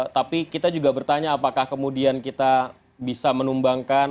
tapi kita juga bertanya apakah kemudian kita bisa menumbangkan